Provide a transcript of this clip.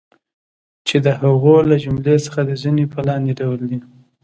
چی د هغو له جملی څخه د ځینی په لاندی ډول دی